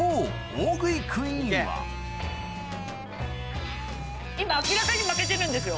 大食いクイーンは明らかに負けてるんですよ。